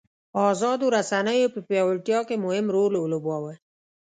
ازادو رسنیو په پیاوړتیا کې مهم رول ولوباوه.